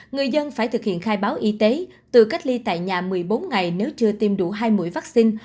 người dân phải thực hiện khai báo y tế từ cách ly tại nhà một mươi bốn ngày nếu chưa tiêm đủ hai mũi vaccine